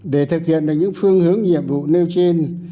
để thực hiện được những phương hướng nhiệm vụ nêu trên